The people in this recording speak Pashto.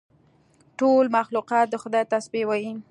ټول مخلوقات د خدای تسبیح وایي.